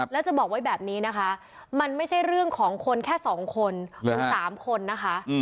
แล้วจะบอกไว้แบบนี้นะคะมันไม่ใช่เรื่องของคนแค่๒คนหรือ๓คนนะคะ